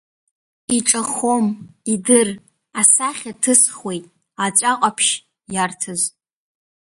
Иҿахом, идыр, асахьа ҭысхуеит аҵәа ҟаԥшь, иарҭыз.